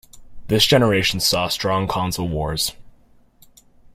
This generation saw strong console wars.